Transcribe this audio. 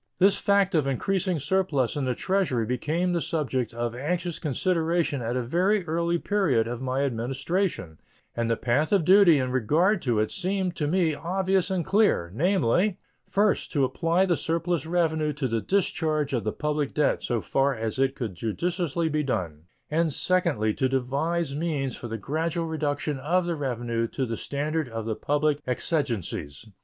This fact of increasing surplus in the Treasury became the subject of anxious consideration at a very early period of my Administration, and the path of duty in regard to it seemed to me obvious and clear, namely: First, to apply the surplus revenue to the discharge of the public debt so far as it could judiciously be done, and, secondly, to devise means for the gradual reduction of the revenue to the standard of the public exigencies.